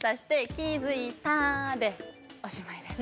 「気付いた！」でおしまいです。